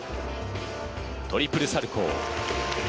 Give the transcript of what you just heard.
トリプルサルコー。